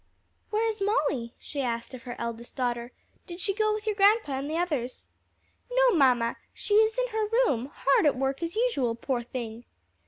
"Where is Molly?" she asked of her eldest daughter; "did she go with your grandpa and the others?" "No, mamma, she is in her room, hard at work as usual, poor thing!"